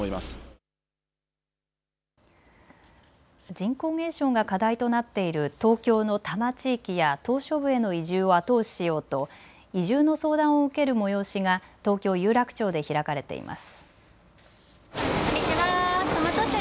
人口減少が課題となっている東京の多摩地域や島しょ部への移住を後押ししようと移住の相談を受ける催しが東京有楽町で開かれています。